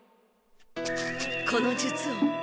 この術を。